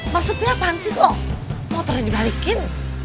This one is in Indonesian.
maksudnya apaan sih kok motornya dibalikin